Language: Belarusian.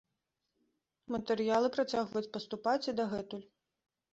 Матэрыялы працягваюць паступаць і дагэтуль.